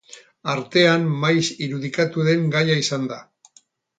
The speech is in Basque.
Artean maiz irudikatu den gaia izan da.